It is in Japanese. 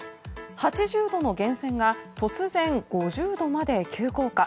８０度の源泉が突然、５０度まで急降下。